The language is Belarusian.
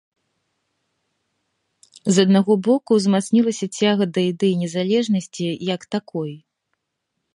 З аднаго боку, узмацнілася цяга да ідэі незалежнасці як такой.